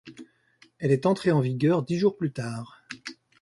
Elle est entrée en vigueur dix jours plus tard.